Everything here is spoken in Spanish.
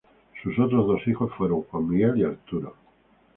Sus otros dos hijos fueron Juan Miguel y Arturo.